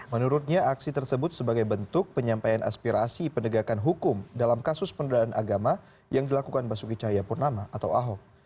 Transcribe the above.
menurutnya aksi tersebut sebagai bentuk penyampaian aspirasi penegakan hukum dalam kasus penodaan agama yang dilakukan basuki cahayapurnama atau ahok